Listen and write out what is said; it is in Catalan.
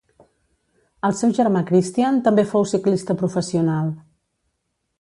El seu germà Christian també fou ciclista professional.